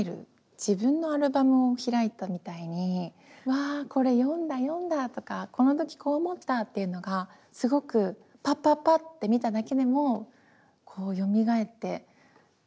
自分のアルバムを開いたみたいに「うわこれ読んだ読んだ！」とか「この時こう思った！」っていうのがすごくパッパッパッて見ただけでもよみがえってジーンとなる。